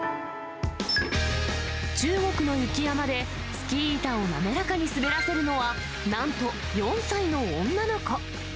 中国の雪山でスキー板を滑らかに滑らせるのは、なんと、４歳の女の子。